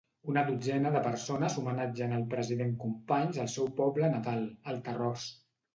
Una dotzena de persones homenatgen el president Companys al seu poble natal, el Tarròs.